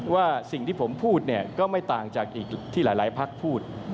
ว่าสิ่งที่ผมพูดเนี่ยก็ไม่ต่างจากอีกที่หลายพักพูด